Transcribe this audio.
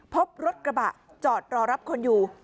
พบรถกระบะจอดรอรับคนอยู่